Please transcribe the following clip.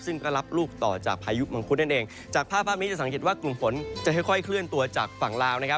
ซึ่งก็รับลูกต่อจากพายุมังคุดนั่นเองจากภาพภาพนี้จะสังเกตว่ากลุ่มฝนจะค่อยค่อยเคลื่อนตัวจากฝั่งลาวนะครับ